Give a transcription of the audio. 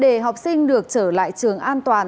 để học sinh được trở lại trường an toàn